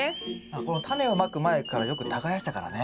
このタネをまく前からよく耕したからね。